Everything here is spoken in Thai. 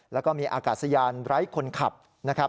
แล้วก็มีอากาศยานไร้คนขับนะครับ